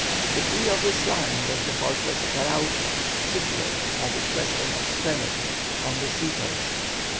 The key of this line was the fortress of Arauco, situate at its western extremity on the sea coast.